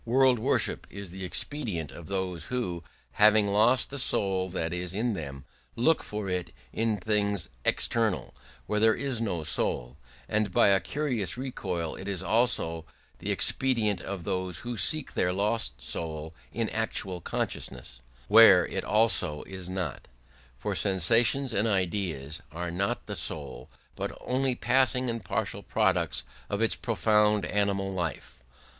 World worship is the expedient of those who, having lost the soul that is in them, look for it in things external, where there is no soul: and by a curious recoil, it is also the expedient of those who seek their lost soul in actual consciousness, where it also is not: for sensations and ideas are not the soul but only passing and partial products of its profound animal life.